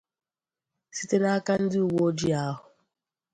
site n'aka ndị uweojii ahụ